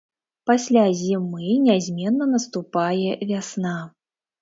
Пасля зімы нязменна наступае вясна.